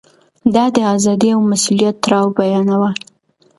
ده د ازادۍ او مسووليت تړاو بيانوه.